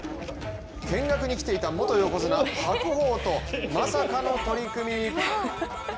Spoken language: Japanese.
見学に着ていた元横綱・白鵬とまさかの取組。